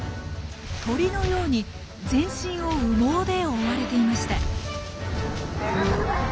鳥のように全身を羽毛で覆われていました。